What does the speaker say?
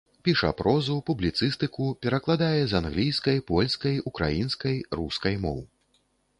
Піша прозу, публіцыстыку, перакладае з англійскай, польскай, украінскай, рускай моў.